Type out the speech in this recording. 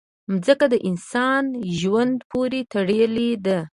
مځکه د انسان ژوند پورې تړلې ده.